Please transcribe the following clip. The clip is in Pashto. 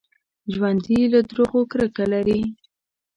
ژوندي له دروغو کرکه لري